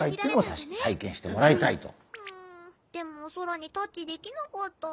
でもおそらにタッチできなかった。